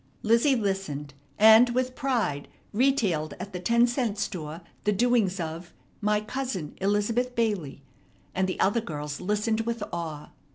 Lizzie listened, and with pride retailed at the ten cent store the doings of "my cousin, Elizabeth Bailey," and the other girls listened with awe.